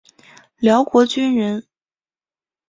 辽国军人。